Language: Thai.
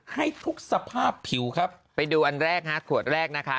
ให้ทุกสภาพผิวครับไปดูอันแรกฮะขวดแรกนะคะ